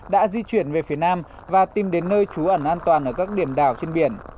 đã di chuyển về phía nam và tìm đến nơi trú ẩn an toàn ở các biển đảo trên biển